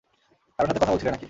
কারো সাথে কথা বলছিলে নাকি?